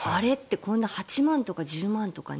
こんな８万とか１０万とかね。